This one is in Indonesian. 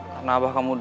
karena abah kamu udah